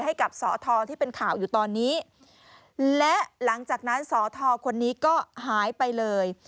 ให้กับสอทอที่เป็นข่าวอยู่ตอนนี้และหลังจากนั้นสอทอคนนี้ก็หายไปเลย